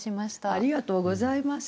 ありがとうございます。